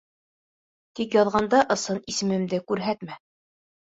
Тик яҙғанда ысын исемемде күрһәтмә.